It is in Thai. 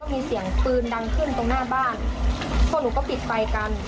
มีเสียงปืนดังขึ้นตรงหน้าบ้านพวกหนูก็ปิดไฟกัน